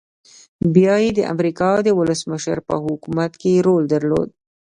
بيا يې د امريکا د ولسمشر په حکومت کې رول درلود.